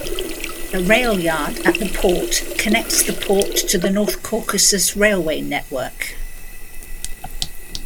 A railyard at the port connects the port to the North Caucasus Railway network.